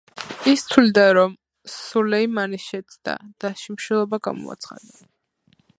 ის თვლიდა, რომ სულეიმანი შეცდა და შიმშილობა გამოაცხადა.